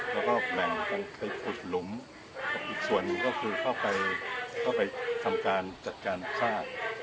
เราก็แบ่งตามไต้ผลลุมอีกส่วนนี่ก็คือเข้าไปทำการจัดการฆ่า